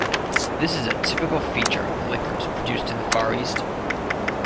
This is a typical feature of liquors produced in the Far East.